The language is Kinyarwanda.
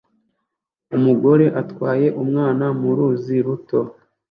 Umugore atwaye umwana mu ruzi ruto